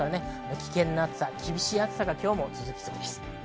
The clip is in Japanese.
危険な暑さ、厳しい暑さが続きそうです。